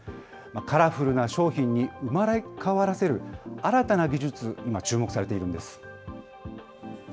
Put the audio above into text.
カラフルな商品に生まれ変わらせる新たな技術、今、注目されているんです。